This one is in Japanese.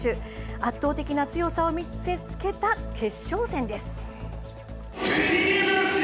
圧倒的な強さを見せ付けた決勝戦です。